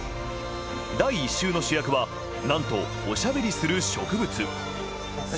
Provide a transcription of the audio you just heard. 第１集の主役は、なんとおしゃべりする植物。